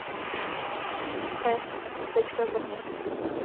S. v Brně.